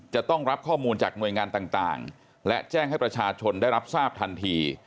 จะต้องรับข้อมูลจากหน่วยงานต่างและแจ้งให้ประชาชนได้รับทราบทันที